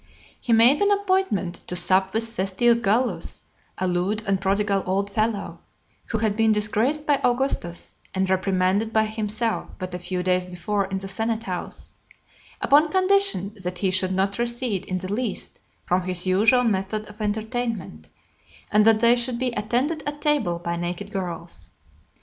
He made an appointment to sup with Sestius Gallus, a lewd and prodigal old fellow, who had been disgraced by Augustus, and reprimanded by himself but a few days before in the senate house; upon condition that he should not recede in the least from his usual method of entertainment, and that they should be attended at table by naked girls.